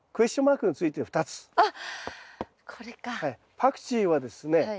パクチーはですねセリ科。